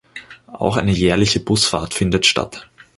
Auch eine jährliche Busfahrt findet statt.